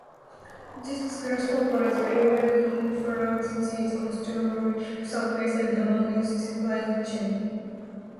This grasshopper is very well camouflaged on stony surfaces and amongst lichen.